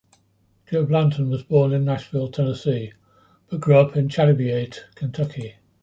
Joe Blanton was born in Nashville, Tennessee, but grew up in Chalybeate, Kentucky.